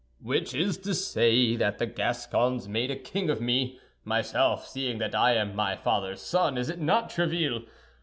"Which is to say that the Gascons made a king of me, myself, seeing that I am my father's son, is it not, Tréville?